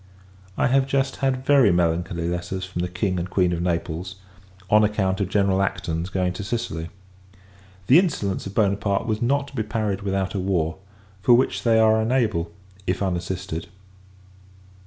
I have just had very melancholy letters from the King and Queen of Naples, on account of General Acton's going to Sicily. The insolence of Buonaparte was not to be parried without a war; for which they are unable, if unassisted.